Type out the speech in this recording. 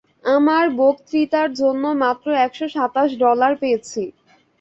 আমার বক্তৃতার জন্য মাত্র একশো সাতাশ ডলার পেয়েছি।